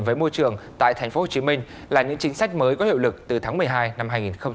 với môi trường tại tp hcm là những chính sách mới có hiệu lực từ tháng một mươi hai năm hai nghìn hai mươi